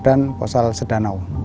dan posal sedanau